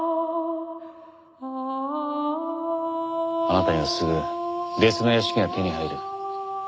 あなたにはすぐ別の屋敷が手に入る。